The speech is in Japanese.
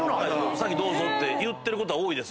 先どうぞって言うことは多いです。